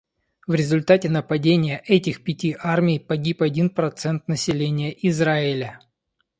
В результате нападения этих пяти армий погиб один процент населения Израиля.